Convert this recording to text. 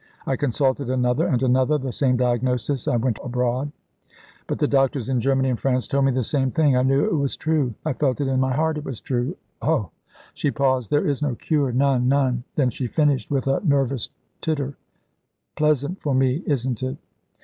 I consulted another, and another: the same diagnosis. I went abroad, but the doctors in Germany and France told me the same thing. I knew it was true. I felt in my heart it was true. Ugh!" She paused. "There is no cure none, none." Then she finished, with a nervous titter, "Pleasant for me, isn't it?"